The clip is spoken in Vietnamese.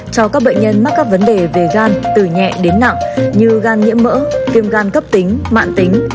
cho các bệnh nhân mắc các vấn đề về gan từ nhẹ đến nặng như gan nhiễm mỡ viêm gan cấp tính mạng tính